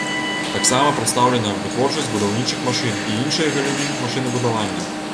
Таксама прадстаўлена вытворчасць будаўнічых машын і іншыя галіны машынабудавання.